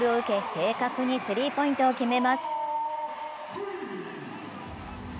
正確にスリーポイントを決めます。